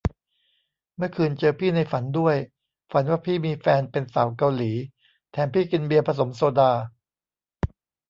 เมื่อคืนเจอพี่ในฝันด้วย ฝันว่าพี่มีแฟนเป็นสาวเกาหลี แถมพี่กินเบียร์ผสมโซดา